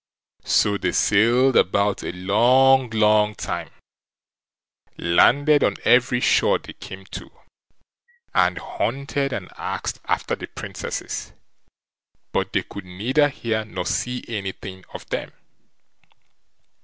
So they sailed about a long, long time, landed on every shore they came to, and hunted and asked after the Princesses, but they could neither hear nor see anything of them.